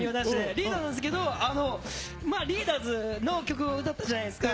リーダーなんですけど、リーダーズの曲を歌ったじゃないですか。